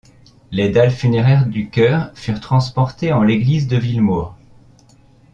Les dalles funéraires du chœur furent transportées en l'église de Villemaur.